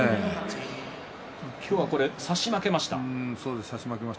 今日は差し負けました。